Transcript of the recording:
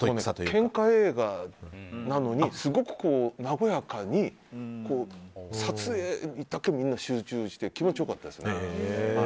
けんか映画なのにすごく和やかに撮影だけ、みんな集中して気持ち良かったですね。